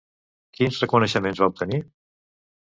Quins reconeixements va obtenir?